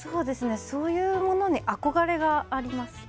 そういうものに憧れがあります。